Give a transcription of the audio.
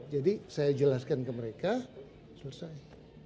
jadi saya jelaskan ke mereka selesai